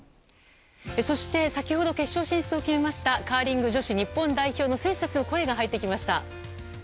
そして、先ほど決勝進出を決めましたカーリング女子日本代表の選手たちの声が入ってきました。